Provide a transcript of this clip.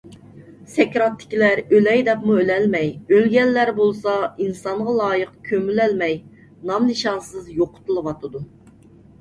سەكراتتىكىلەر ئۆلەي دەپمۇ ئۆلەلمەي، ئۆلگەنلەر بولسا، ئىنسانغا لايىق كۆمۈلەلمەي نام - نىشانسىز يوقىتىلىۋاتىدۇ.